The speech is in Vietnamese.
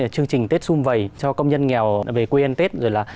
chương trình tết xung vầy cho công nhân nghèo về quê yên tết